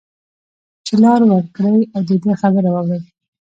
چې لار ورکړی او د ده خبره واوري